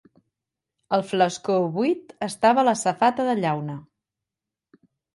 El flascó buit estava a la safata de llauna.